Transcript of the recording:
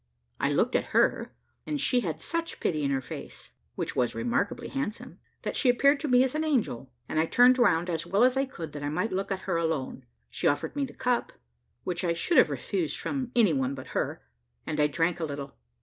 I looked at her, and she had such pity in her face, which was remarkably handsome, that she appeared to me as an angel, and I turned round as well as I could, that I might look at her alone. She offered me the cup, which I should have refused from any one but her, and I drank a little.